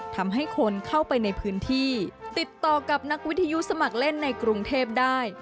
ทำให้คนเข้าไปในพื้นที่ติดต่อกับนักวิทยุสมัครเล่นในกรุงเทพได้